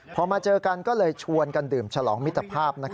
พอมาเจอกันก็เลยชวนกันดื่มฉลองมิตรภาพ